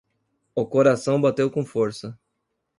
O coração bateu com força.